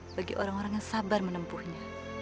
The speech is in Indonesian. bagi orang orang yang sabar menempuhnya